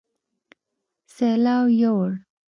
سېلاو يوړ